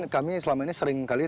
kami selama ini seringkali